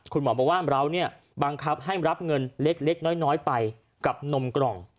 คุณหมอบอกว่าเราเนี่ยบังคับให้รับเงินเล็กน้อยไปกับนมกล่อง